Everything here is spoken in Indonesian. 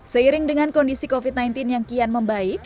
seiring dengan kondisi covid sembilan belas yang kian membaik